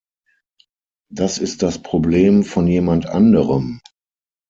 Das ist das Problem von jemand anderem.